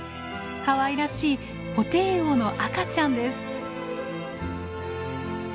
かわいらしいホテイウオの赤ちゃんです。